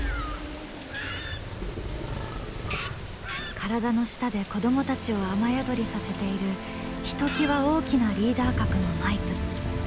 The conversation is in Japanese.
体の下で子どもたちを雨宿りさせているひときわ大きなリーダー格のマイプ。